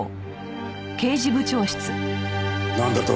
なんだと？